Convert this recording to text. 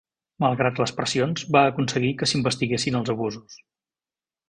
Malgrat les pressions, va aconseguir que s'investiguessin els abusos.